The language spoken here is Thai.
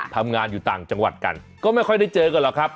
ทำงานอยู่ต่างจังหวัดกันก็ไม่ค่อยได้เจอกันหรอกครับ